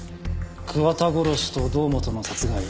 桑田殺しと堂本の殺害